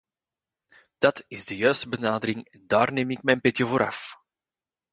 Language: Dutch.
Dat is de juiste benadering en daar neem ik mijn petje voor af.